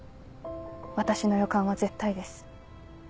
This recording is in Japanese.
私の予感は絶対です。